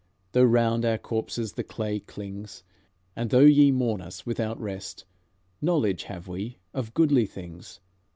Though round our corpses the clay clings, And though ye mourn us without rest, Knowledge have we of goodly things.